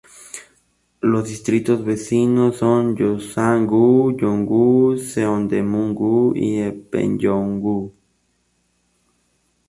Los distritos vecinos son Yongsan-gu, Jung-gu, Seodaemun-gu, y Eunpyeong-gu.